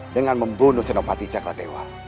dengan membunuh senopati sakar dewa